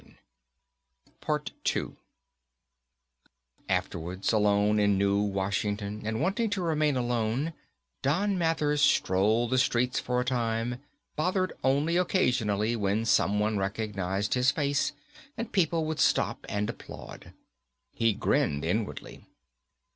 Afterwards, alone in New Washington and wanting to remain alone, Don Mathers strolled the streets for a time, bothered only occasionally when someone recognized his face and people would stop and applaud. He grinned inwardly.